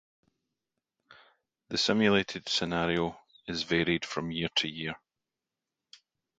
The simulated scenario is varied from year to year.